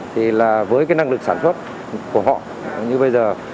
thì là với cái năng lực sản xuất của họ như bây giờ